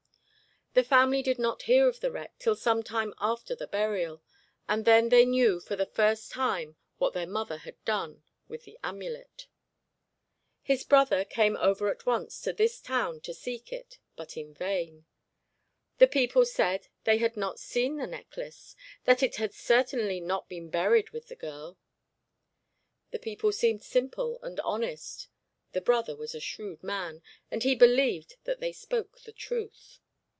The family did not hear of the wreck till some time after the burial, and then they knew for the first time what their mother had done with the amulet. His brother came over at once to this town to seek it, but in vain. The people said they had not seen the necklace; that it had certainly not been buried with the girl. The people seemed simple and honest; the brother was a shrewd man, and he believed that they spoke the truth.